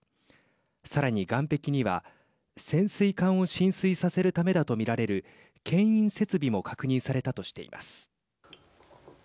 さらに、岸壁には潜水艦を進水させるためだと見られるけん引設備も確認されたとしています。